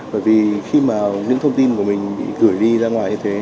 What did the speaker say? bởi vì khi mà những thông tin của mình gửi đi ra ngoài như thế